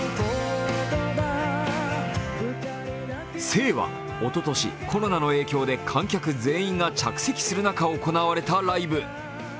「静」はおととし、コロナの影響で観客全員が着席する中、行われたライブ。